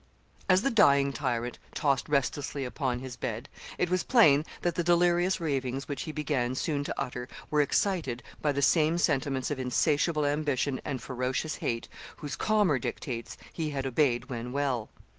] As the dying tyrant tossed restlessly upon his bed, it was plain that the delirious ravings which he began soon to utter were excited by the same sentiments of insatiable ambition and ferocious hate whose calmer dictates he had obeyed when well.